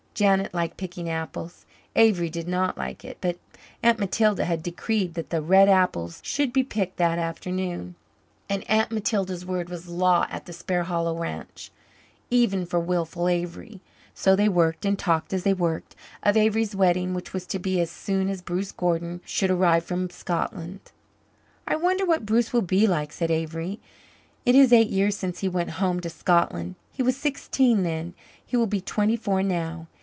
Janet liked picking apples; Avery did not like it; but Aunt Matilda had decreed that the red apples should be picked that afternoon, and Aunt Matilda's word was law at the Sparhallow farm, even for wilful Avery. So they worked and talked as they worked of Avery's wedding, which was to be as soon as Bruce Gordon should arrive from Scotland. "I wonder what Bruce will be like," said Avery. "It is eight years since he went home to Scotland. He was sixteen then he will be twenty four now.